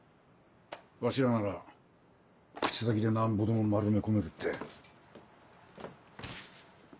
わしらなら口先でなんぼでも丸め込めるって。